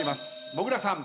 もぐらさん